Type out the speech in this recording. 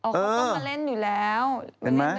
เขาต้องมาเล่นอยู่แล้ว